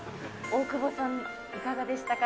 大久保さん、いかがでしたか？